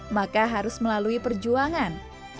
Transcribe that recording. maka harus melalui perjuangan